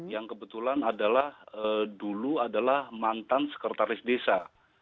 yang kebetulan adalah dulu adalah mantan sekretaris desa